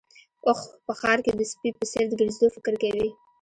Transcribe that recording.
اوښ په ښار کې د سپي په څېر د ګرځېدو فکر کوي.